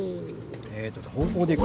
えと方向でいくと。